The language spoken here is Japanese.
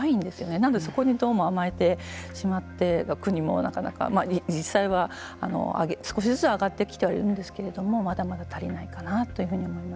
なのでそこにどうも甘えてしまって国もなかなか実際は少しずつ上がってきてはいるんですけれどもまだまだ足りないかな